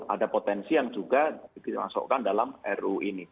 ada potensi yang juga dimasukkan dalam ru ini